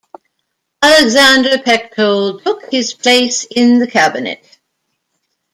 Alexander Pechtold took his place in the cabinet.